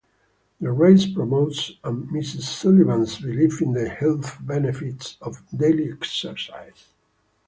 The race promotes and Mrs. Sullivan's belief in the health benefits of daily exercise.